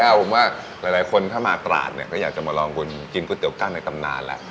เอ้าผมว่าหลายคนถ้ามาตราดเนี้ยก็อยากจะมาลองกินก๋วยเตี๋ยวกันในตำนานแหละ